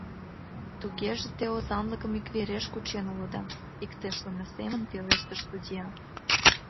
— Тугеже, те озанлыкым иквереш кучен улыда, — иктешлыме семын пелештыш судья.